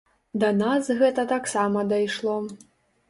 Да нас гэта таксама дайшло.